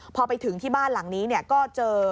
พอไปถึงที่บ้านหลังนี้ก็เจอ